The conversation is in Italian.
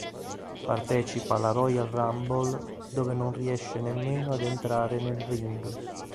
Partecipa alla Royal Rumble dove non riesce nemmeno ad entrare nel ring.